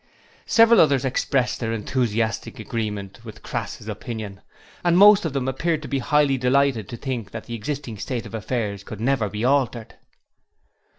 Several others expressed their enthusiastic agreement with Crass's opinion, and most of them appeared to be highly delighted to think that the existing state of affairs could never be altered.